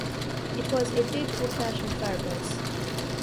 It was a big old-fashioned fireplace.